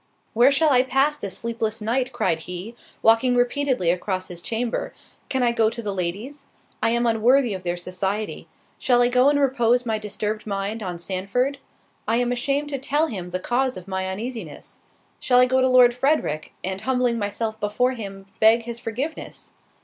"Where shall I pass this sleepless night?" cried he, walking repeatedly across his chamber; "Can I go to the ladies? I am unworthy of their society. Shall I go and repose my disturbed mind on Sandford? I am ashamed to tell him the cause of my uneasiness. Shall I go to Lord Frederick, and humbling myself before him, beg his forgiveness?